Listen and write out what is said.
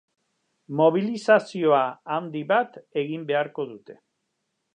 Mobilizazioa handi bat egin beharko dute.